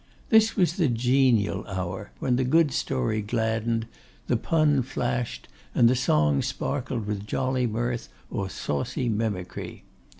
This was the genial hour when the good story gladdened, the pun flashed, and the song sparkled with jolly mirth or saucy mimicry.